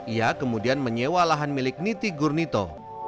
ia kemudian menyewa lahan milik niti gurnito